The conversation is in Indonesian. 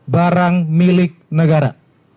barang milik negara